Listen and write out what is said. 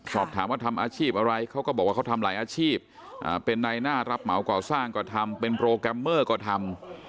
สอบถามว่าทำอาชีพอะไรเขาก็บอกว่าเขาทำหลายอาชีพเป็นในหน้ารับเหมาก่อสร้างก็ทำเป็นโปรแกรมเมอร์ก็ทำ